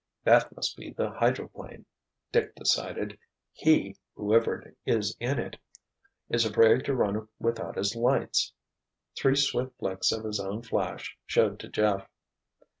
"That must be the hydroplane," Dick decided. "He—whoever is in it—is afraid to run without his lights." Three swift flicks of his own flash showed to Jeff.